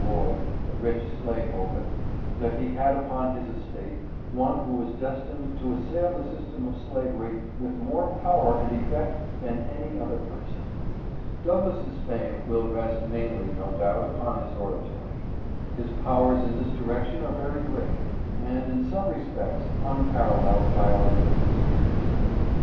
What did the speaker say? Lloyd, the rich slaveholder, that he had upon his estate one who was des tined to assail the system of slavery with more power and effect than any other person. Douglass' fame will rest mainly, no doubt, upon his oratory. His powers in this direction are very great, and, in some respects, unparalleled by our living speakers.